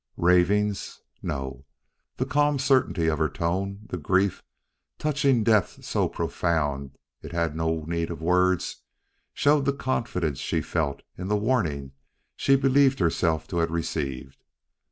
Ravings? No, the calm certainty of her tone, the grief, touching depths so profound it had no need of words, showed the confidence she felt in the warning she believed herself to have received.